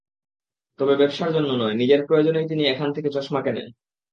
তবে ব্যবসার জন্য নয়, নিজের প্রয়োজনেই তিনি এখান থেকে চশমা কেনেন।